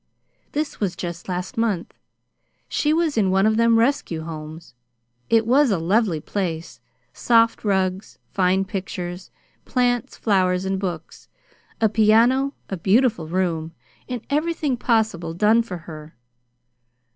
This was just last month. She was in one of them rescue homes. It was a lovely place; soft rugs, fine pictures, plants, flowers, and books, a piano, a beautiful room, and everything possible done for her.